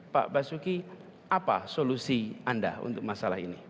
pak basuki apa solusi anda untuk masalah ini